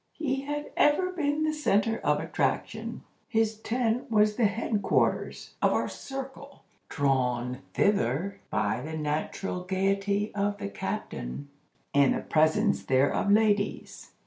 He had ever been the center of attraction. His tent was the 'head quarters' of 'our circle,' drawn thither by the natural gayety of the captain, and the presence there of ladies.